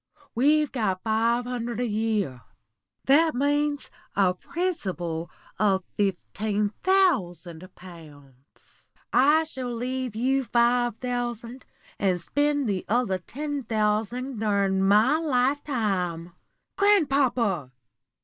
We've got five hundred a year; that means a principal of fifteen thousand pounds. I shall leave you five thousand, and spend the other ten thousand during my lifetime." "Grandpapa!"